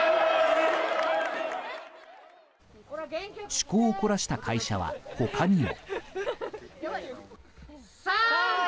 趣向を凝らした会社は他にも。